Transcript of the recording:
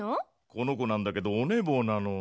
この子なんだけどおねぼうなの。